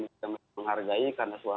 yang kami menghargai karena